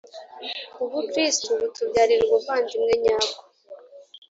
ubukristu butubyarire ubuvandimwe nyabwo,